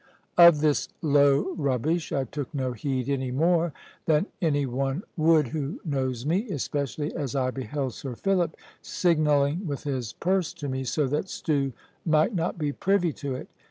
Of this low rubbish I took no heed any more than any one would who knows me, especially as I beheld Sir Philip signalling with his purse to me, so that Stew might not be privy to it.